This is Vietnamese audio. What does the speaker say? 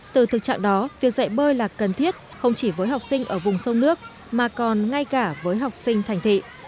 từ thực trạng đó việc dạy bơi là cần thiết không chỉ với học sinh ở vùng sông nước mà còn ngay cả với học sinh thành thị